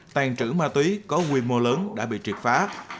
tàn trữ ma túy có quy mô lớn đã bị triệt phá